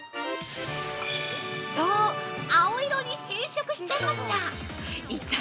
◆そう、青色に変色しちゃいました！